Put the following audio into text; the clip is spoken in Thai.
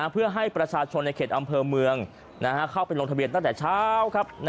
เพื่อให้ประชาชนในเขตอำเภอเมืองเข้าไปลงทะเบียนตั้งแต่เช้า